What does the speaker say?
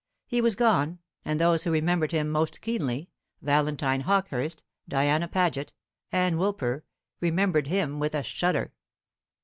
He was gone, and those who remembered him most keenly Valentine Hawkehurst, Diana Paget, Ann Woolper remembered him with a shudder.